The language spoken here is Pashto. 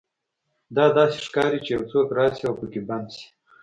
دا داسې ښکاري چې یو څوک راشي او پکې بند شي